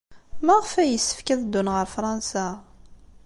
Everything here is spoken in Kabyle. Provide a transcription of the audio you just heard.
Maɣef ay yessefk ad ddun ɣer Fṛansa?